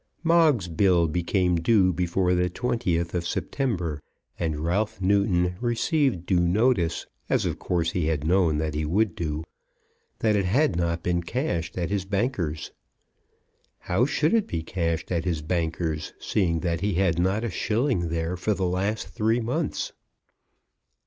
Moggs's bill became due before the 20th of September, and Ralph Newton received due notice, as of course he had known that he would do, that it had not been cashed at his banker's. How should it be cashed at his banker's, seeing that he had not had a shilling there for the last three months?